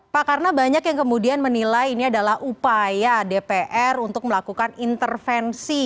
pak karena banyak yang kemudian menilai ini adalah upaya dpr untuk melakukan intervensi